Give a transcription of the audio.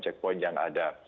checkpoint yang ada